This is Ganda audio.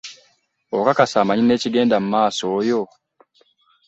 Okakasa amanyi n'ekigenda mu maaso oyo?